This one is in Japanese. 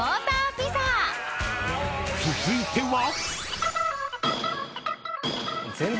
［続いては］